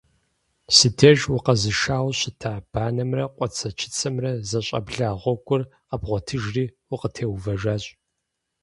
Си деж укъэзышэу щыта, банэмрэ къуацэ-чыцэмрэ зэщӀабла гъуэгур къэбгъуэтыжри, укъытеувэжащ.